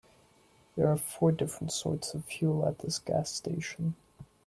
There are four different sorts of fuel at this gas station.